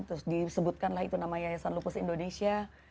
terus disebutkan lah itu nama yayasan lupus indonesia